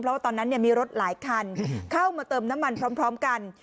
เพราะว่าตอนนั้นมีรถหลายคันเข้ามาเติมน้ำมันพร้อมกัน